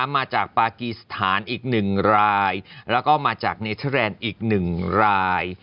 มาจากปากีสถานอีก๑รายแล้วก็มาจากเนเทอร์แลนด์อีก๑ราย